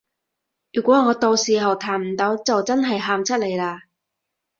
如果我到時彈唔到就真係喊出嚟啊